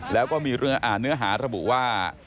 แล้วก็มีเนื้อหาระบุว่า